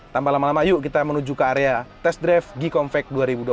tanpa lama lama yuk kita menuju ke area test drive g compact dua ribu dua puluh satu